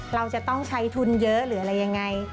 เราจะต้องใช้ทุนเยอะหรืออะไรยังไง